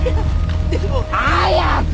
でも！早く！！